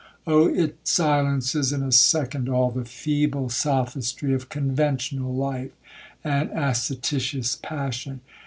Oh! it silences in a second all the feeble sophistry of conventional life, and ascititious passion.